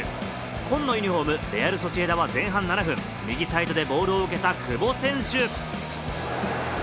紺のユニホーム、レアル・ソシエダは前半７分、右サイドでボールを受けた久保選手。